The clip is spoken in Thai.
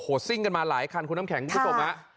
โอ้โหซิ่งกันมาหลายคันคุณน้ำแข็งถูกหมา